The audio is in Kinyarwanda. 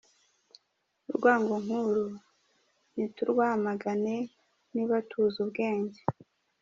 Urwango nk’uru, niturwamagane niba tuzi ubwenge!